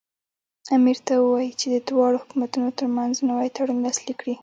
امیر ته ووایي چې د دواړو حکومتونو ترمنځ نوی تړون لاسلیک کړي.